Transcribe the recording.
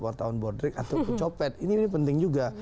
wartawan bordrik atau kecopet ini penting juga